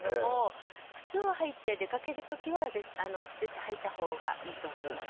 靴を履いて出かける時は靴下はいた方がいいと思います。